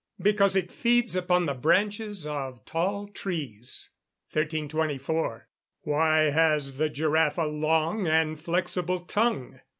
_ Because it feeds upon the branches of tall trees. 1324. _Why has the giraffe a long and flexible tongue?